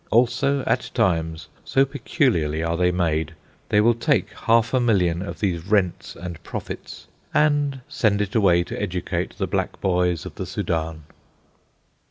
Also, at times, so peculiarly are they made, they will take half a million of these rents and profits and send it away to educate the black boys of the Soudan.